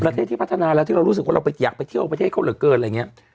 ประเทศที่พัฒนาแล้วที่เรารู้สึกว่าเราอยากไปเที่ยวประเทศเขาเหลือเกินอะไรอย่างนี้